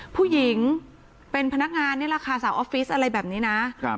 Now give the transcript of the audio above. ผู้หญิงเป็นพนักงานราคาสาวออฟฟิศอะไรแบบนี้นะ